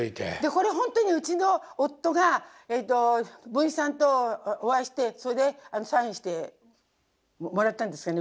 これ本当にうちの夫が文枝さんとお会いしてそれでサインしてもらったんですかね